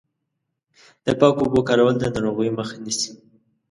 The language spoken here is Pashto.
د پاکو اوبو کارول د ناروغیو مخه نیسي.